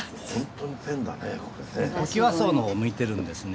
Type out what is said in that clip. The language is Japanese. トキワ荘の方を向いてるんですね。